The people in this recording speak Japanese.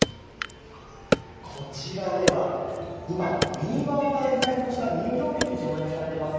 こちらでは、今、民話を題材とした人形劇、上演されています。